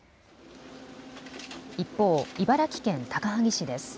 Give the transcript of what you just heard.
一方、茨城県高萩市です。